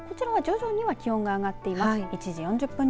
こちらは徐々には気温が上がっています。